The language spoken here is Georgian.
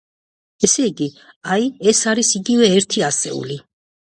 ესე იგი, აი, ეს არის იგივე ერთი ასეული.